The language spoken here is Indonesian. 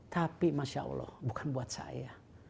tapi masya allah bukan buat saya